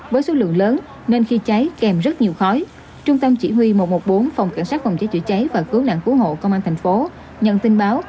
với số lượng lớn nên khi cháy kèm rất nhiều khói trung tâm chỉ huy một trăm một mươi bốn phòng cảnh sát phòng cháy chữa cháy và cứu nạn cứu hộ công an thành phố nhận tin báo